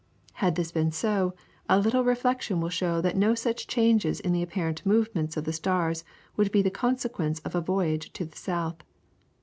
Had this been so, a little reflection will show that no such changes in the apparent movements of the stars would be the consequence of a voyage to the south.